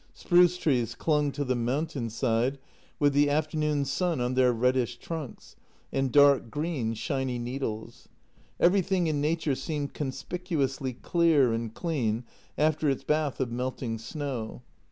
Spruce trees clung to the mountain side, with the afternoon sun on their reddish trunks and dark green, shiny needles. Everything in nature seemed conspicuously clear and clean after its bath of melting snow.